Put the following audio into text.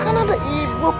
kan ada ibub